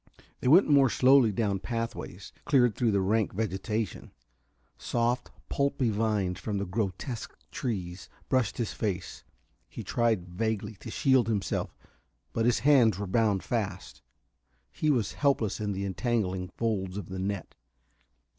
They went more slowly down pathways cleared through the rank vegetation. Soft, pulpy vines from the grotesque trees brushed his face. He tried vaguely to shield himself, but his hands were bound fast. He was helpless in the entangling folds of the net.